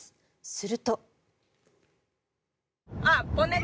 すると。